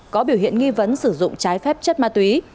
có biểu hiện nghi vấn sử dụng trái phép chất ma túy